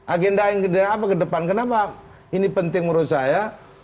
agenda yang kedepan kenapa ini penting menurut saya